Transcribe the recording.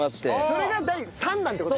それが第３弾って事？